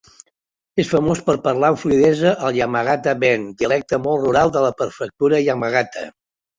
És famós per parlar amb fluïdesa el Yamagata-ben, dialecte molt rural de la Prefectura Yamagata.